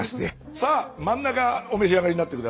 さあ真ん中お召し上がりになって下さい。